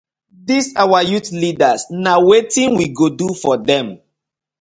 Dis our youth leaders na wetin we go do for dem.